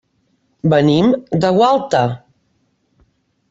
Venim de Gualta.